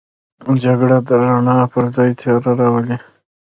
جګړه د رڼا پر ځای تیاره راولي